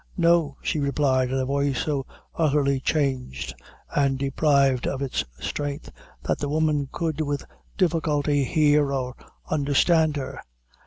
"No," she replied, in a voice so utterly changed and deprived of its strength, that the woman could with difficulty hear or understand her.